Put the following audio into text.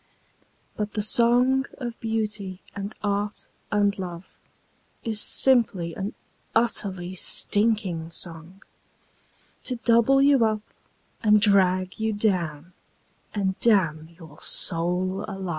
But the song of Beauty and Art and Love Is simply an utterly stinking song, To double you up and drag you down And damn your soul alive.